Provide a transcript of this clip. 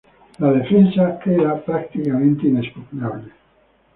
Era defensa prácticamente inexpugnable.